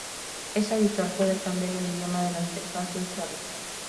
Es habitual poder cambiar el idioma de la interfaz de usuario.